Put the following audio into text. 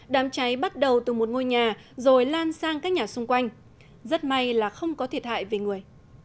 đám cháy bắt đầu từ một ngôi nhà rồi lan sang các nhà xung quanh rất may là không có thiệt hại về người